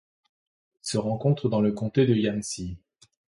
Elle se rencontre dans le comté de Yancey.